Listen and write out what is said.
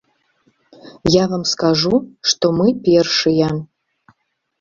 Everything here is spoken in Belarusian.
Я вам скажу, што мы першыя.